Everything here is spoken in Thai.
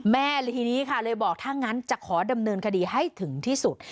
แม่ทีนี้ค่ะเลยบอกถ้างั้นจะขอดำเนินคดีให้ถึงที่สุด